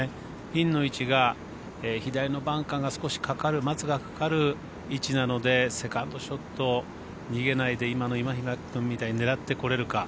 ピンの位置が左のバンカーが少し松がかかる位置なのでセカンドショット逃げないで今の今平君みたいに狙ってこれるか。